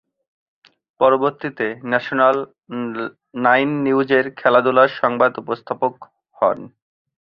পরবর্তীতে national nine নিউজের খেলাধুলা সংবাদ উপস্থাপক হন।